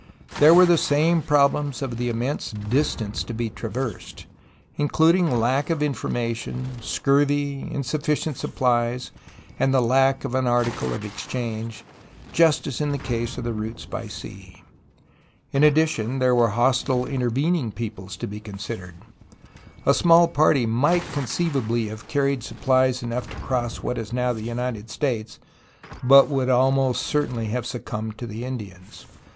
There were the same problems of the immense distance to be traversed, including lack of information, scurvy, insufficient supplies, and lack of an article of ex change, just as in the case of the routes by sea. In addition there were hostile intervening peoples to be considered. A small party might conceivably have carried supplies enough to cross what is now the United States, but it would almost certainly have succumbed to the Indians.